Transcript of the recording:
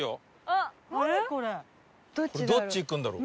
これどっち行くんだろう？